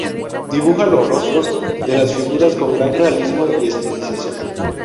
Dibuja los rostros de las figuras con gran realismo y estilización.